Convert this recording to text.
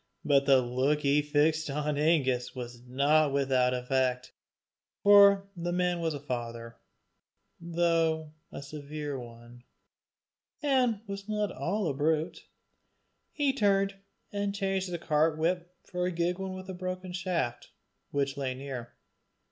But the look he had fixed on Angus was not without effect, for the man was a father, though a severe one, and was not all a brute: he turned and changed the cart whip for a gig one with a broken shaft, which lay near.